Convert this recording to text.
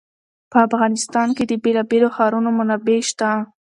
په افغانستان کې د بېلابېلو ښارونو منابع شته.